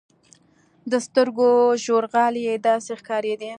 د سترګو ژورغالي يې داسې ښکارېدې.